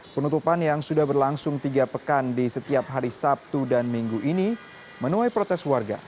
penutupan yang sudah berlangsung tiga pekan di setiap hari sabtu dan minggu ini menuai protes warga